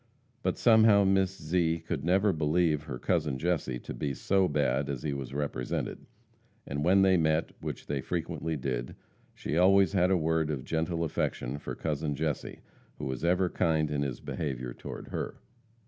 But somehow Miss Zee could never believe her cousin Jesse to be so bad as he was represented, and when they met which they frequently did she always had a word of gentle affection for cousin Jesse, who was ever kind in his behavior toward her.